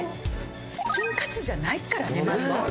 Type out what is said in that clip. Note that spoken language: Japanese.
チキンカツじゃないからねまず。